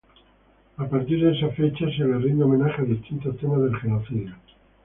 A partir de esa fecha se le rinde homenaje a distintos temas del genocidio.